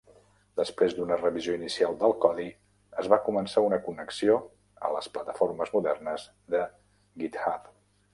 Després d'una revisió inicial del codi, es va començar una connexió a les plataformes modernes de GitHub.